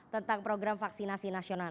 tentang program vaksinasi nasional